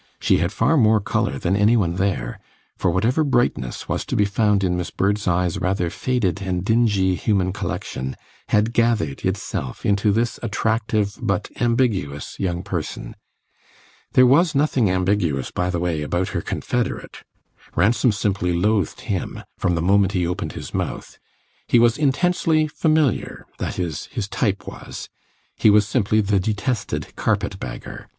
She had far more colour than any one there, for whatever brightness was to be found in Miss Birdseye's rather faded and dingy human collection had gathered itself into this attractive but ambiguous young person. There was nothing ambiguous, by the way, about her confederate; Ransom simply loathed him, from the moment he opened his mouth; he was intensely familiar that is, his type was; he was simply the detested carpet bagger.